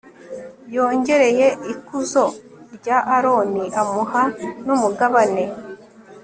yongereye ikuzo rya aroni, amuha n'umugabane